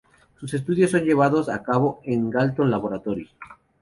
Sus estudios son llevados a cabo en el Galton Laboratory.